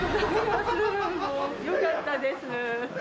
よかったです。